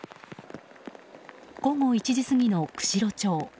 午後１時過ぎの釧路町。